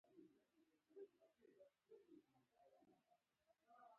زړه د غوږ نیولو هنر لري.